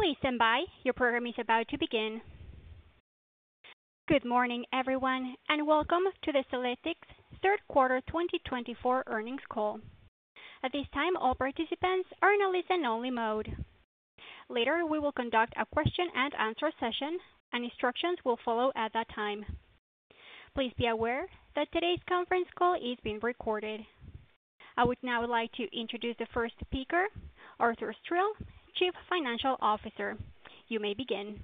Please stand by. Your program is about to begin. Good morning, everyone, and welcome to the Cellectis Q3 2024 Earnings Call. At this time, all participants are in a listen-only mode. Later, we will conduct a question-and-answer session, and instructions will follow at that time. Please be aware that today's conference call is being recorded. I would now like to introduce the first speaker, Arthur Stril, Chief Financial Officer. You may begin.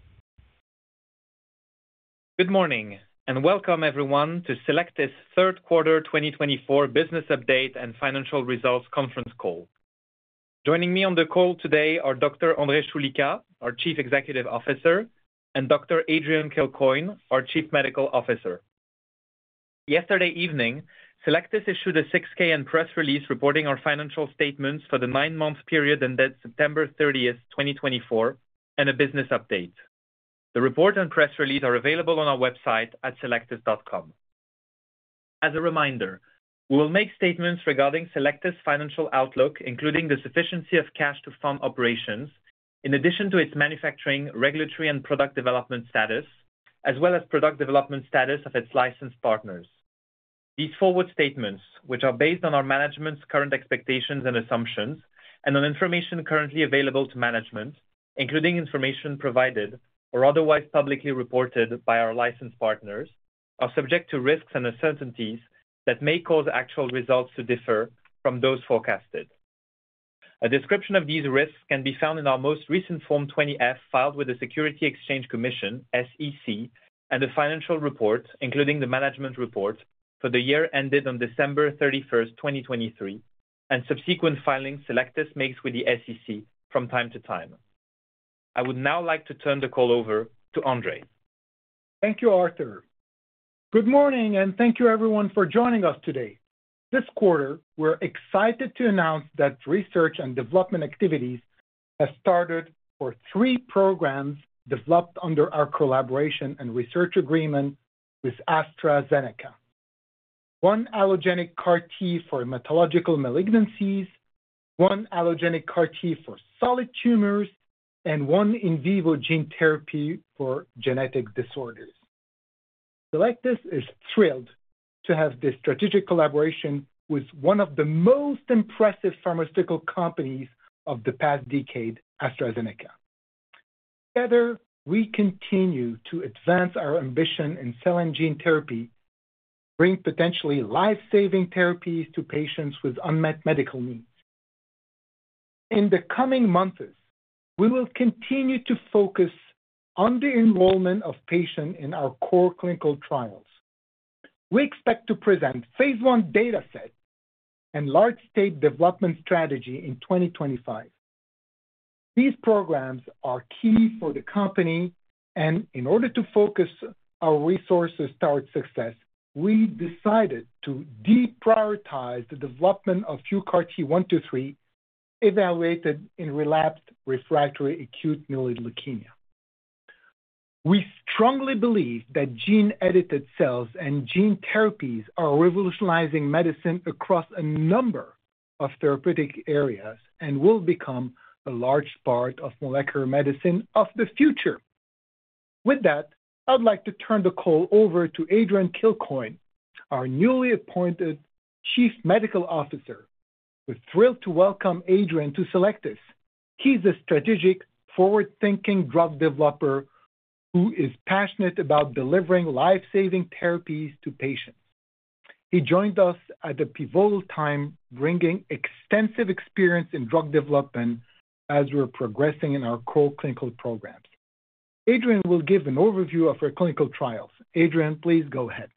Good morning, and welcome, everyone, to Cellectis Q3 2024 Business Update and Financial Results Conference Call. Joining me on the call today are Dr. André Choulika, our Chief Executive Officer, and Dr. Adrian Kilcoyne, our Chief Medical Officer. Yesterday evening, Cellectis issued a 6-K press release reporting our financial statements for the 9-month period ended September 30, 2024, and a business update. The report and press release are available on our website at cellectis.com. As a reminder, we will make statements regarding Cellectis' financial outlook, including the sufficiency of cash to fund operations, in addition to its manufacturing, regulatory, and product development status, as well as product development status of its licensed partners. These forward statements, which are based on our management's current expectations and assumptions, and on information currently available to management, including information provided or otherwise publicly reported by our licensed partners, are subject to risks and uncertainties that may cause actual results to differ from those forecasted. A description of these risks can be found in our most recent Form 20-F filed with the Securities Exchange Commission (SEC) and a financial report, including the management report, for the year ended on December 31, 2023, and subsequent filings Cellectis makes with the SEC from time to time. I would now like to turn the call over to André. Thank you, Arthur. Good morning, and thank you, everyone, for joining us today. This quarter, we're excited to announce that research and development activities have started for three programs developed under our collaboration and research agreement with AstraZeneca: one allogeneic CAR-T for hematological malignancies, one allogeneic CAR-T for solid tumors, and one in vivo gene therapy for genetic disorders. Cellectis is thrilled to have this strategic collaboration with one of the most impressive pharmaceutical companies of the past decade, AstraZeneca. Together, we continue to advance our ambition in cell and gene therapy to bring potentially life-saving therapies to patients with unmet medical needs. In the coming months, we will continue to focus on the enrollment of patients in our core clinical trials. We expect to present a phase I dataset and large-scale development strategy in 2025. These programs are key for the company, and in order to focus our resources toward success, we decided to deprioritize the development of UCART123 evaluated in relapsed refractory acute myeloid leukemia. We strongly believe that gene-edited cells and gene therapies are revolutionizing medicine across a number of therapeutic areas and will become a large part of molecular medicine of the future. With that, I would like to turn the call over to Adrian Kilcoyne, our newly appointed Chief Medical Officer. We're thrilled to welcome Adrian to Cellectis. He's a strategic, forward-thinking drug developer who is passionate about delivering life-saving therapies to patients. He joined us at a pivotal time, bringing extensive experience in drug development as we're progressing in our core clinical programs. Adrian will give an overview of our clinical trials. Adrian, please go ahead.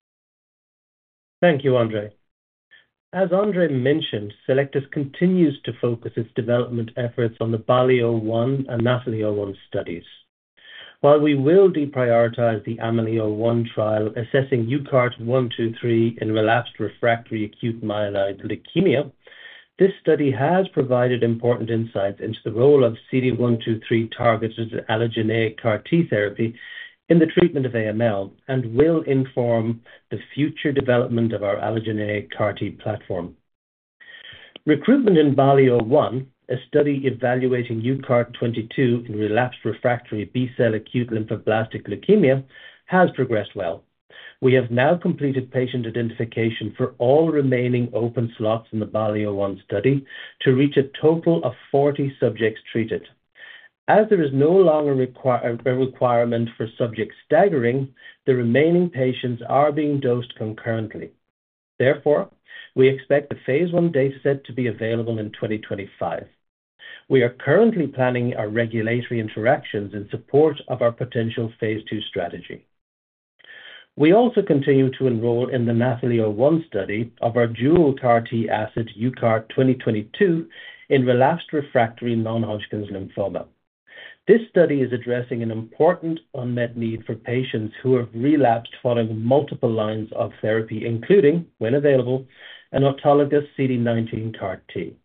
Thank you, André. As André mentioned, Cellectis continues to focus its development efforts on the BALLI-01 and NATHALI-01 studies. While we will deprioritize the AMELI-01 trial assessing UCART123 in relapsed refractory acute myeloid leukemia, this study has provided important insights into the role of CD123-targeted allogeneic CAR-T therapy in the treatment of AML and will inform the future development of our allogeneic CAR-T platform. Recruitment in BALLI-01, a study evaluating UCART22 in relapsed refractory B-cell acute lymphoblastic leukemia, has progressed well. We have now completed patient identification for all remaining open slots in the BALLI-01 study to reach a total of 40 subjects treated. As there is no longer a requirement for subject staggering, the remaining patients are being dosed concurrently. Therefore, we expect the phase I dataset to be available in 2025. We are currently planning our regulatory interactions in support of our potential phase II strategy. We also continue to enroll in the NATHALI-01 study of our dual CAR-T UCART20x22 in relapsed refractory non-Hodgkin's lymphoma. This study is addressing an important unmet need for patients who have relapsed following multiple lines of therapy, including, when available, an autologous CD19 CAR-T.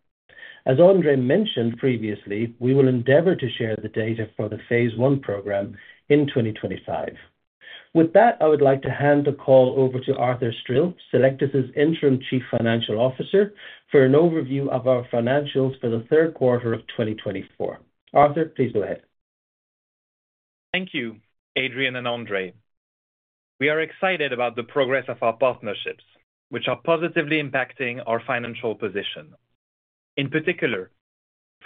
As André mentioned previously, we will endeavor to share the data for the phase I program in 2025. With that, I would like to hand the call over to Arthur Stril, Cellectis' Interim Chief Financial Officer, for an overview of our financials for the Q3 of 2024. Arthur, please go ahead. Thank you, Adrian and André. We are excited about the progress of our partnerships, which are positively impacting our financial position. In particular,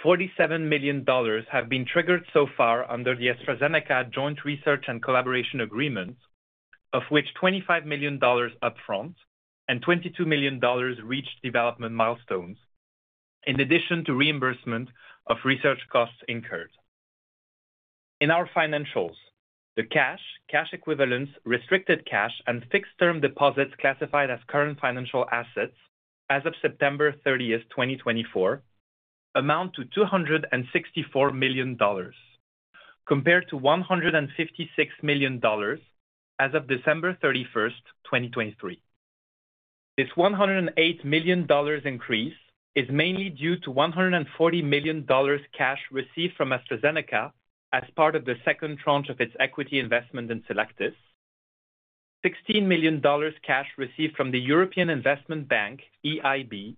$47 million have been triggered so far under the AstraZeneca Joint Research and Collaboration Agreement, of which $25 million upfront and $22 million reached development milestones, in addition to reimbursement of research costs incurred. In our financials, the cash, cash equivalents, restricted cash, and fixed-term deposits classified as current financial assets as of September 30, 2024, amount to $264 million, compared to $156 million as of December 31, 2023. This $108 million increase is mainly due to $140 million cash received from AstraZeneca as part of the second tranche of its equity investment in Cellectis. $16 million cash received from the European Investment Bank (EIB)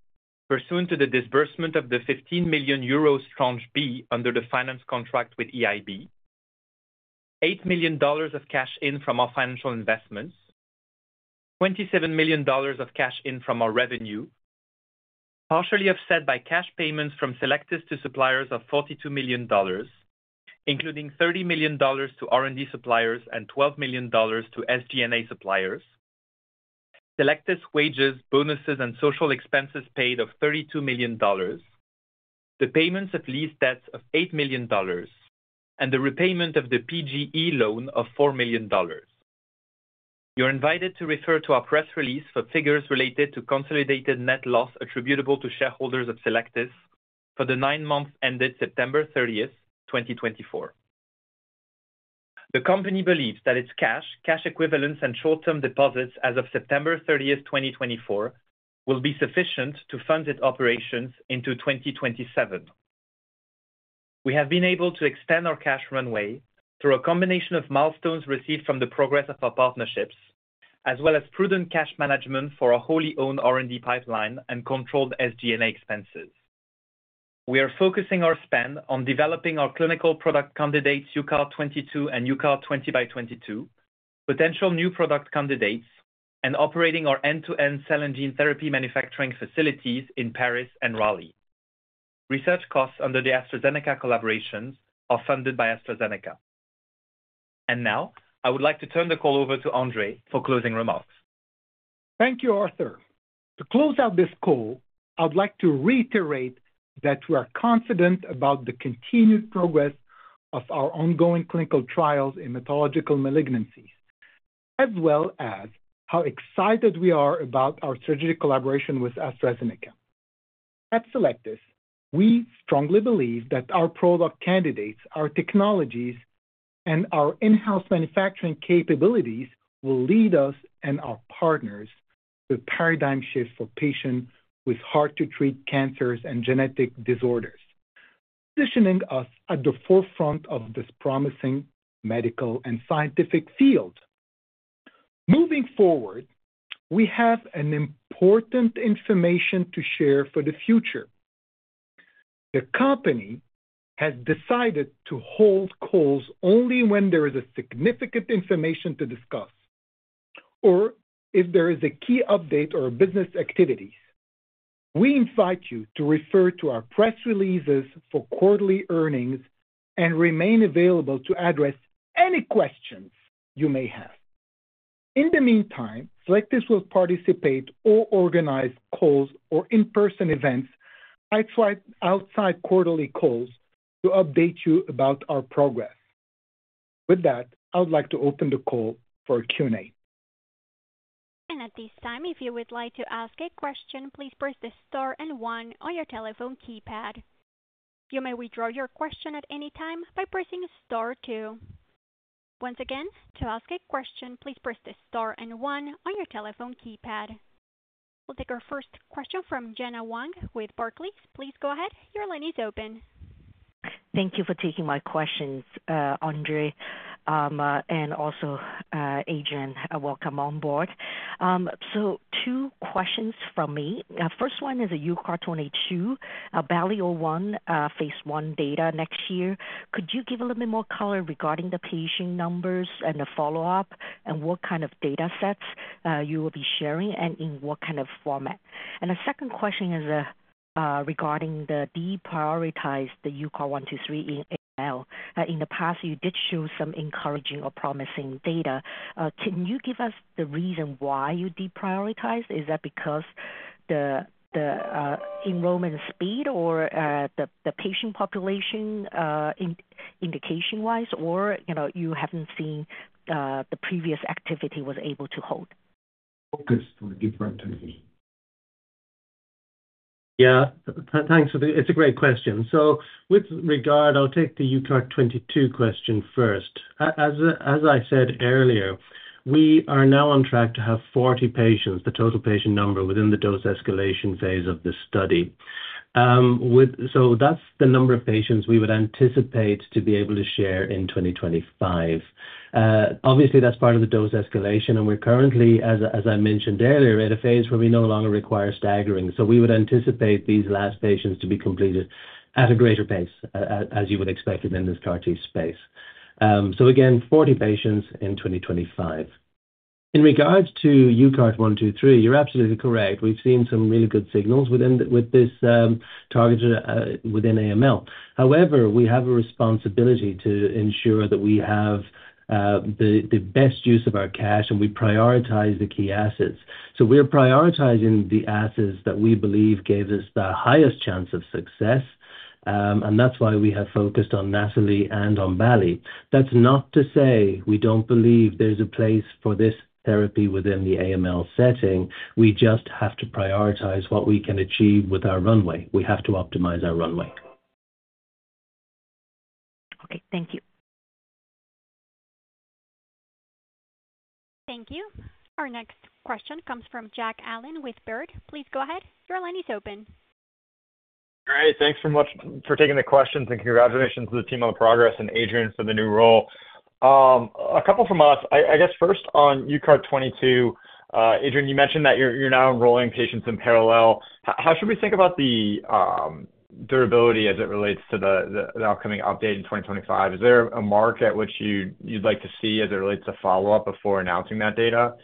pursuant to the disbursement of the 15 million euros tranche B under the finance contract with EIB. $8 million of cash in from our financial investments. $27 million of cash in from our revenue, partially offset by cash payments from Cellectis to suppliers of $42 million, including $30 million to R&D suppliers and $12 million to SG&A suppliers. Cellectis wages, bonuses, and social expenses paid of $32 million. The payments of lease debts of $8 million. And the repayment of the PGE loan of $4 million. You're invited to refer to our press release for figures related to consolidated net loss attributable to shareholders of Cellectis for the 9 months ended September 30, 2024. The company believes that its cash, cash equivalents, and short-term deposits as of September 30, 2024, will be sufficient to fund its operations into 2027. We have been able to extend our cash runway through a combination of milestones received from the progress of our partnerships, as well as prudent cash management for our wholly-owned R&D pipeline and controlled SG&A expenses. We are focusing our spend on developing our clinical product candidates UCART22 and UCART20x22, potential new product candidates, and operating our end-to-end cell and gene therapy manufacturing facilities in Paris and Raleigh. Research costs under the AstraZeneca collaborations are funded by AstraZeneca. And now, I would like to turn the call over to André for closing remarks. Thank you, Arthur. To close out this call, I would like to reiterate that we are confident about the continued progress of our ongoing clinical trials in hematological malignancies, as well as how excited we are about our strategic collaboration with AstraZeneca. At Cellectis, we strongly believe that our product candidates, our technologies, and our in-house manufacturing capabilities will lead us and our partners to a paradigm shift for patients with hard-to-treat cancers and genetic disorders, positioning us at the forefront of this promising medical and scientific field. Moving forward, we have important information to share for the future. The company has decided to hold calls only when there is significant information to discuss or if there is a key update or business activities. We invite you to refer to our press releases for quarterly earnings and remain available to address any questions you may have. In the meantime, Cellectis will participate or organize calls or in-person events outside quarterly calls to update you about our progress. With that, I would like to open the call for a Q&A. And at this time, if you would like to ask a question, please press the star and one on your telephone keypad. You may withdraw your question at any time by pressing star two. Once again, to ask a question, please press the star and one on your telephone keypad. We'll take our first question from Gena Wang with Barclays. Please go ahead. Your line is open. Thank you for taking my questions, André, and also Adrian. Welcome on board. So two questions from me. First one is a UCART22, a BALIO-01, phase I data next year. Could you give a little bit more color regarding the patient numbers and the follow-up and what kind of datasets you will be sharing and in what kind of format? And the second question is regarding the deprioritized UCART123 in AML. In the past, you did show some encouraging or promising data. Can you give us the reason why you deprioritized? Is that because the enrollment speed or the patient population indication-wise, or you haven't seen the previous activity was able to hold? Focused on different things. Yeah, thanks. It's a great question. So with regard, I'll take the UCART22 question first. As I said earlier, we are now on track to have 40 patients, the total patient number within the dose escalation phase of this study. So that's the number of patients we would anticipate to be able to share in 2025. Obviously, that's part of the dose escalation. And we're currently, as I mentioned earlier, at a phase where we no longer require staggering. So we would anticipate these last patients to be completed at a greater pace, as you would expect within this CAR-T space. So again, 40 patients in 2025. In regards to UCART123, you're absolutely correct. We've seen some really good signals within this target within AML. However, we have a responsibility to ensure that we have the best use of our cash, and we prioritize the key assets. So we're prioritizing the assets that we believe gave us the highest chance of success, and that's why we have focused on NATHALI-01 and on BALLI-01. That's not to say we don't believe there's a place for this therapy within the AML setting. We just have to prioritize what we can achieve with our runway. We have to optimize our runway. All right. Thank you. Thank you. Our next question comes from Jack Allen with Baird. Please go ahead. Your line is open. All right. Thanks for taking the questions, and congratulations to the team on the progress, and Adrian for the new role. A couple from us. I guess first on UCART22, Adrian, you mentioned that you're now enrolling patients in parallel. How should we think about the durability as it relates to the upcoming update in 2025? Is there a mark at which you'd like to see as it relates to follow-up before announcing that data?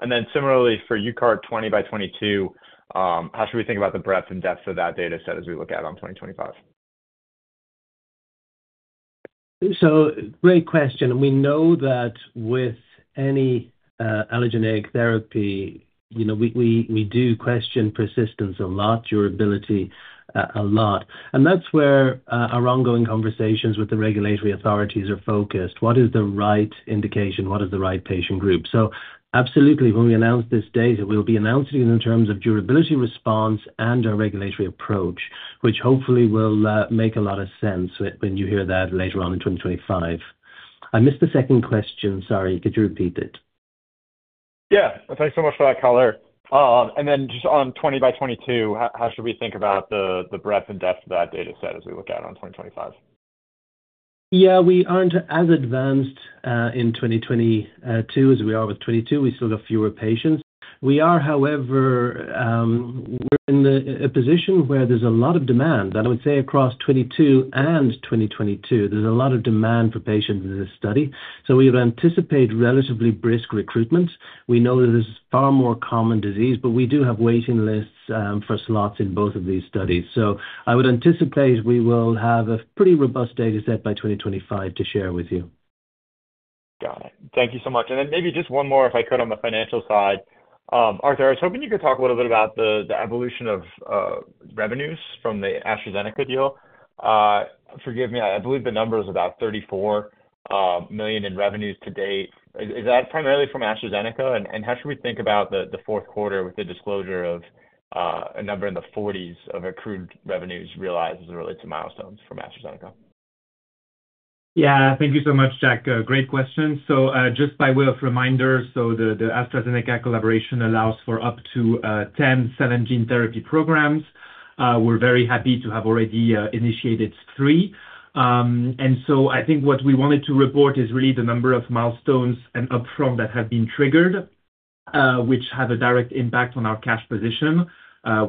And then similarly for UCART20x22, how should we think about the breadth and depth of that dataset as we look at it in 2025? Great question. We know that with any allogeneic therapy, we do question persistence a lot, durability a lot. That's where our ongoing conversations with the regulatory authorities are focused. What is the right indication? What is the right patient group? Absolutely, when we announce this data, we'll be announcing it in terms of durability response and our regulatory approach, which hopefully will make a lot of sense when you hear that later on in 2025. I missed the second question. Sorry. Could you repeat it? Yeah. Thanks so much for that color, and then just on 20x22, how should we think about the breadth and depth of that dataset as we look at it in 2025? Yeah, we aren't as advanced in 2022 as we are with 22. We still have fewer patients. However, we're in a position where there's a lot of demand. And I would say across 22 and 2022, there's a lot of demand for patients in this study. So we would anticipate relatively brisk recruitment. We know that this is a far more common disease, but we do have waiting lists for slots in both of these studies. So I would anticipate we will have a pretty robust dataset by 2025 to share with you. Got it. Thank you so much. And then maybe just one more, if I could, on the financial side. Arthur, I was hoping you could talk a little bit about the evolution of revenues from the AstraZeneca deal. Forgive me. I believe the number is about $34 million in revenues to date. Is that primarily from AstraZeneca? And how should we think about the Q4 with the disclosure of a number in the 40s of accrued revenues realized as it relates to milestones from AstraZeneca? Yeah. Thank you so much, Jack. Great question. So just by way of reminder, so the AstraZeneca collaboration allows for up to 10 cell and gene therapy programs. We're very happy to have already initiated three. And so I think what we wanted to report is really the number of milestones and upfront that have been triggered, which have a direct impact on our cash position,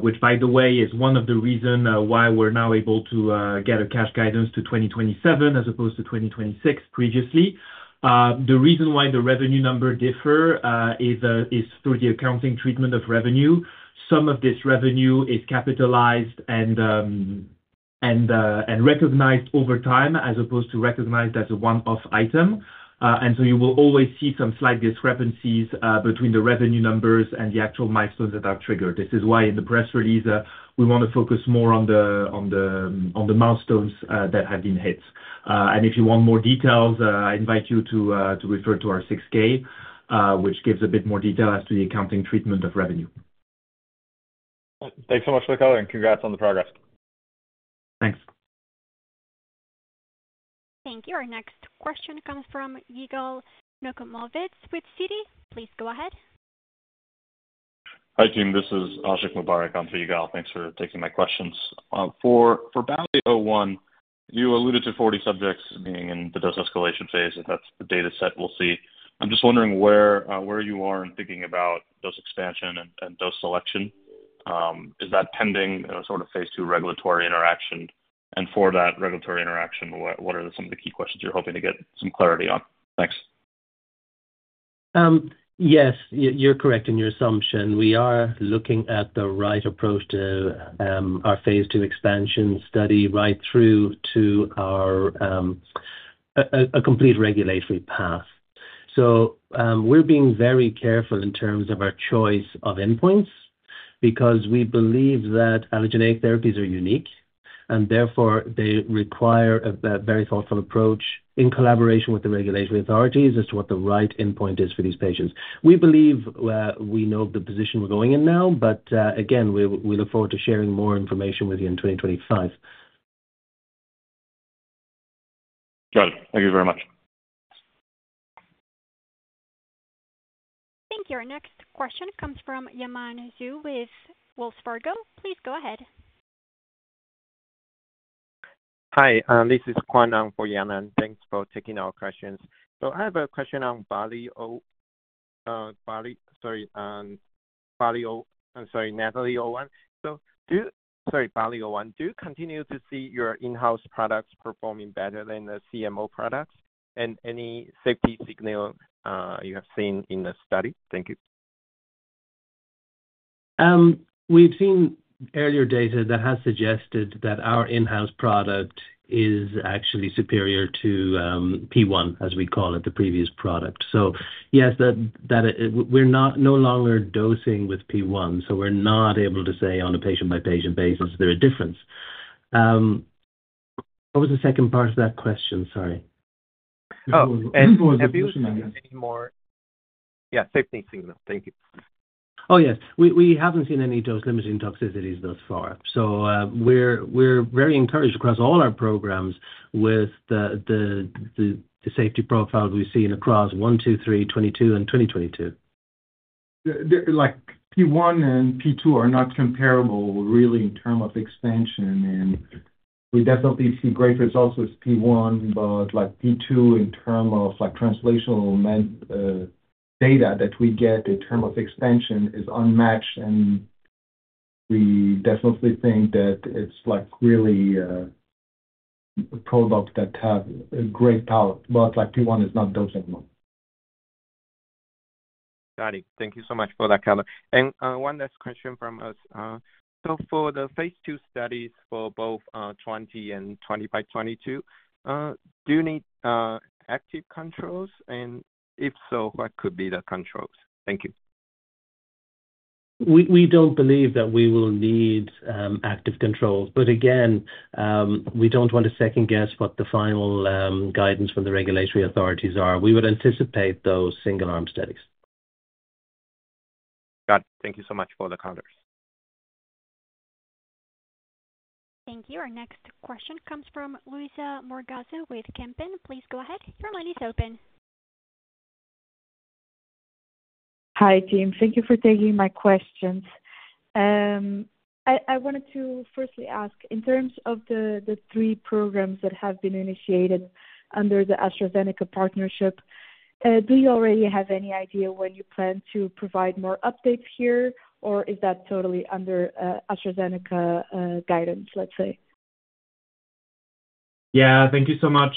which, by the way, is one of the reasons why we're now able to get a cash guidance to 2027 as opposed to 2026 previously. The reason why the revenue numbers differ is through the accounting treatment of revenue. Some of this revenue is capitalized and recognized over time as opposed to recognized as a one-off item. And so you will always see some slight discrepancies between the revenue numbers and the actual milestones that are triggered. This is why in the press release, we want to focus more on the milestones that have been hit, and if you want more details, I invite you to refer to our 6-K, which gives a bit more detail as to the accounting treatment of revenue. Thanks so much for the color, and congrats on the progress. Thanks. Thank you. Our next question comes from Yigal Nochomovitz with Citi. Please go ahead. Hi, team. This is Ashiq Mubarack onto Yigal. Thanks for taking my questions. For BALLI-01, you alluded to 40 subjects being in the dose escalation phase. That's the dataset we'll see. I'm just wondering where you are in thinking about dose expansion and dose selection. Is that pending sort of phase two regulatory interaction? And for that regulatory interaction, what are some of the key questions you're hoping to get some clarity on? Thanks. Yes, you're correct in your assumption. We are looking at the right approach to our phase 2 expansion study right through to a complete regulatory path, so we're being very careful in terms of our choice of endpoints because we believe that allogeneic therapies are unique, and therefore, they require a very thoughtful approach in collaboration with the regulatory authorities as to what the right endpoint is for these patients. We believe we know the position we're going in now, but again, we look forward to sharing more information with you in 2025. Got it. Thank you very much. Thank you. Our next question comes from Yanan Zhu with Wells Fargo. Please go ahead. Hi. This is Quan for Yanan. Thanks for taking our questions. So I have a question on BALLI-01. Sorry, NAFLIO-1. Sorry, BALLI-01. Do you continue to see your in-house products performing better than the CMO products? And any safety signal you have seen in the study? Thank you. We've seen earlier data that has suggested that our in-house product is actually superior to P1, as we call it, the previous product. So yes, we're no longer dosing with P1. So we're not able to say on a patient-by-patient basis there is a difference. What was the second part of that question? Sorry. Oh, and we've seen any more? Yeah, safety signal. Thank you. Oh, yes. We haven't seen any dose-limiting toxicities thus far. So we're very encouraged across all our programs with the safety profile we've seen across 1, 2, 3, 22, and 2022. P1 and P2 are not comparable really in terms of expansion. And we definitely see great results with P1, but P2 in terms of translational data that we get in terms of expansion is unmatched. And we definitely think that it's really a product that has great power, but P1 is not dosing well. Got it. Thank you so much for that color. And one last question from us. So for the phase 2 studies for both 20 and 20x22, do you need active controls? And if so, what could be the controls? Thank you. We don't believe that we will need active controls. But again, we don't want to second-guess what the final guidance from the regulatory authorities are. We would anticipate those single-arm studies. Got it. Thank you so much for the color. Thank you. Our next question comes from Luisa Morgaza with Kempen. Please go ahead. Your line is open. Hi, team. Thank you for taking my questions. I wanted to firstly ask, in terms of the three programs that have been initiated under the AstraZeneca partnership, do you already have any idea when you plan to provide more updates here, or is that totally under AstraZeneca guidance, let's say? Yeah, thank you so much.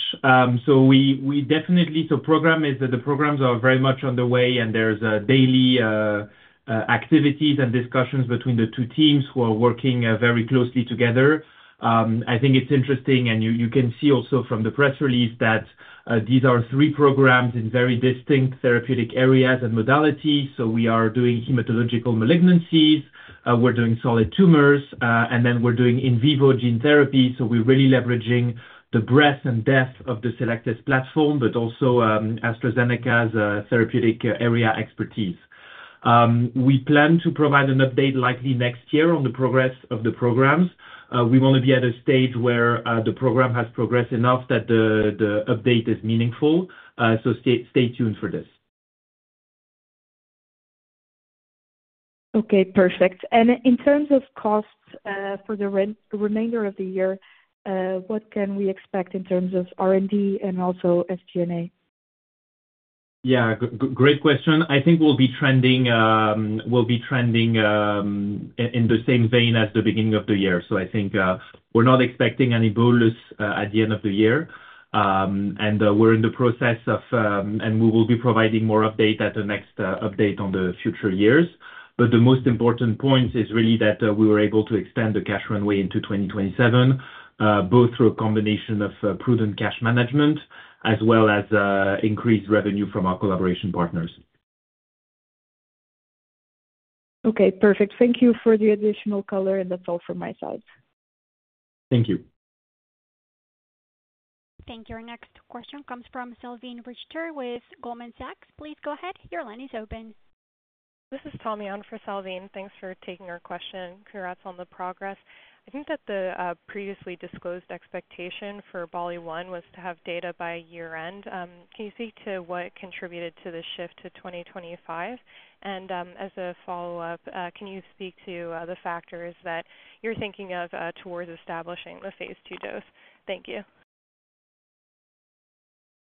We definitely the programs are very much underway, and there's daily activities and discussions between the two teams who are working very closely together. I think it's interesting, and you can see also from the press release that these are three programs in very distinct therapeutic areas and modalities. We are doing hematological malignancies. We're doing solid tumors. And then we're doing in vivo gene therapy. We're really leveraging the breadth and depth of the Cellectis platform, but also AstraZeneca's therapeutic area expertise. We plan to provide an update likely next year on the progress of the programs. We want to be at a stage where the program has progressed enough that the update is meaningful. Stay tuned for this. Okay. Perfect. And in terms of costs for the remainder of the year, what can we expect in terms of R&D and also SG&A? Yeah. Great question. I think we'll be trending in the same vein as the beginning of the year. So I think we're not expecting any bolus at the end of the year. And we're in the process of, and we will be providing more updates at the next update on the future years. But the most important point is really that we were able to extend the cash runway into 2027, both through a combination of prudent cash management as well as increased revenue from our collaboration partners. Okay. Perfect. Thank you for the additional color, and that's all from my side. Thank you. Thank you. Our next question comes from Salveen Richter with Goldman Sachs. Please go ahead. Your line is open. This is Tommy Young for Salveen. Thanks for taking our question. Congrats on the progress. I think that the previously disclosed expectation for BALLI-01 was to have data by year-end. Can you speak to what contributed to the shift to 2025? And as a follow-up, can you speak to the factors that you're thinking of towards establishing the phase two dose?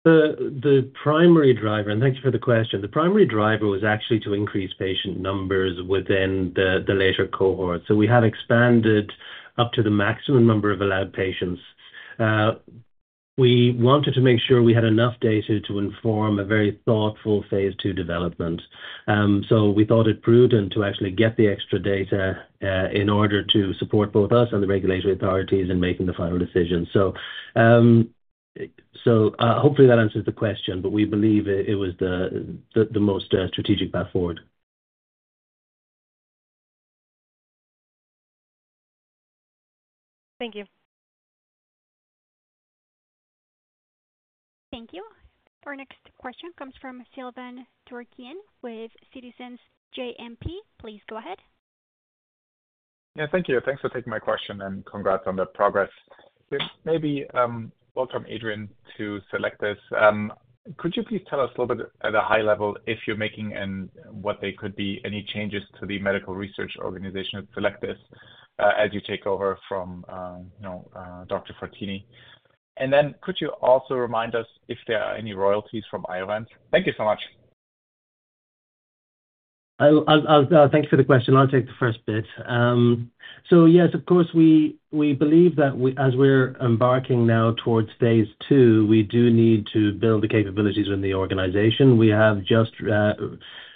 Thank you. The primary driver, and thanks for the question, the primary driver was actually to increase patient numbers within the later cohort. So we have expanded up to the maximum number of allowed patients. We wanted to make sure we had enough data to inform a very thoughtful phase two development. So we thought it prudent to actually get the extra data in order to support both us and the regulatory authorities in making the final decision. So hopefully, that answers the question, but we believe it was the most strategic path forward. Thank you. Thank you. Our next question comes from Silvan Tuerkcan with Citizens JMP. Please go ahead. Yeah. Thank you. Thanks for taking my question. And congrats on the progress. Welcome, Adrian, to Cellectis. Could you please tell us a little bit at a high level what, if any, changes to the medical research organization at Cellectis as you take over from Dr. Frattini? And then could you also remind us if there are any royalties from Iovance? Thank you so much. Thanks for the question. I'll take the first bit. So yes, of course, we believe that as we're embarking now towards phase two, we do need to build the capabilities within the organization. We have just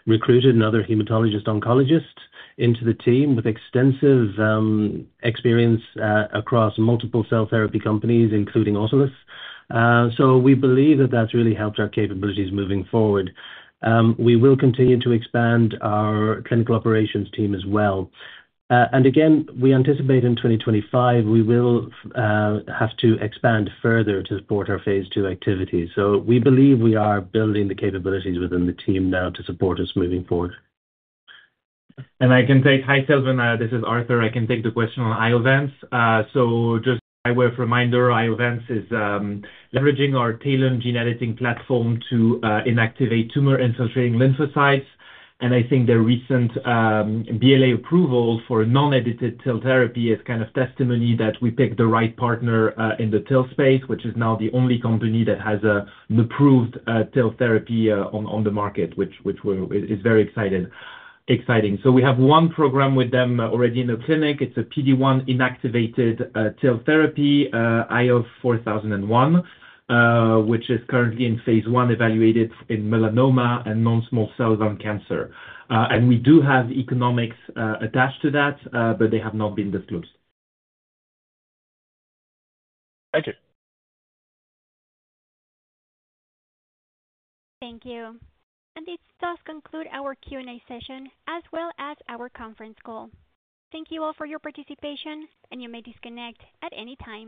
recruited another hematologist-oncologist into the team with extensive experience across multiple cell therapy companies, including Autolus. So we believe that that's really helped our capabilities moving forward. We will continue to expand our clinical operations team as well. And again, we anticipate in 2025, we will have to expand further to support our phase two activities. So we believe we are building the capabilities within the team now to support us moving forward. And I can take. Hi, Silvan. This is Arthur. I can take the question on Iovance. So just a high-level reminder, Iovance is leveraging our TALEN gene editing platform to inactivate tumor-infiltrating lymphocytes. I think the recent BLA approval for non-edited TIL therapy is kind of testimony that we picked the right partner in the TIL space, which is now the only company that has an approved TIL therapy on the market, which is very exciting. So we have one program with them already in the clinic. It's a PD-1 inactivated TIL therapy, IO-4001, which is currently in phase one evaluated in melanoma and non-small cell lung cancer. We do have economics attached to that, but they have not been disclosed. Thank you. Thank you. And this does conclude our Q&A session as well as our conference call. Thank you all for your participation, and you may disconnect at any time.